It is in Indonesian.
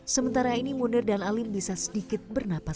sementara ini munir dan alim bisa sedikit bernapas